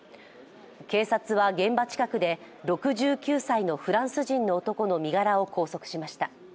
警察は現場近くで６９歳のフランス人の男の身柄を拘束しました。